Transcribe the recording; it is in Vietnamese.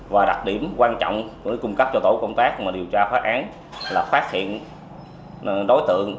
và đặc điểm quan trọng để cung cấp cho tổ công tác mà điều tra phát án là phát hiện đối tượng